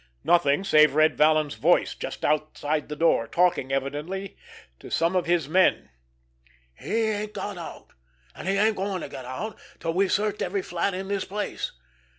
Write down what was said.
Nothing, save Red Vallon's voice just outside the door, talking, evidently, to some of his men: "He ain't got out—and he ain't going to get out till we've searched every flat in the place!